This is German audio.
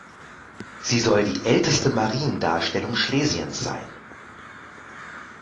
Sie soll die älteste Mariendarstellung Schlesiens sein.